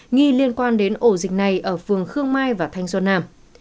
nghi liên quan đến ổ dịch này ở phường khương mai và thanh xuân nam